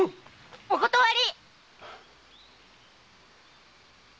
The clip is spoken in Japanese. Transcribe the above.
お断り！